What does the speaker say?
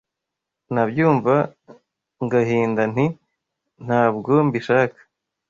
Nabyumva ngahinda Nti: ntabwo mbishaka